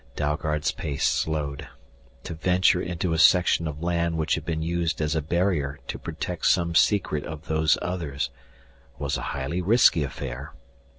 Dalgard's pace slowed. To venture into a section of land which had been used as a barrier to protect some secret of Those Others was a highly risky affair.